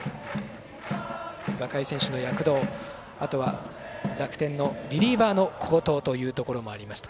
若い選手の躍動あとは、楽天のリリーバーの好投というところもありました。